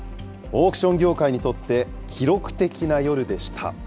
オークション業界にとって、記録的な夜でした。